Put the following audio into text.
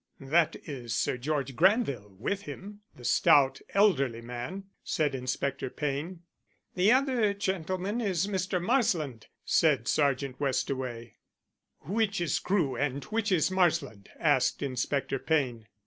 "That is Sir George Granville with him the stout elderly man," said Inspector Payne. "The other gentleman is Mr. Marsland," said Sergeant Westaway. "Which is Crewe and which is Marsland?" asked Inspector Payne.